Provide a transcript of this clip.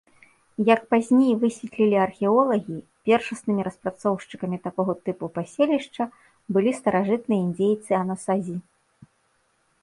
Як пазней высветлілі археолагі, першаснымі распрацоўшчыкамі такога тыпу паселішча былі старажытныя індзейцы-анасазі.